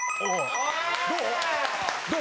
どう？